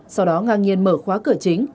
sau đó ngang nhiên mở khóa cửa chính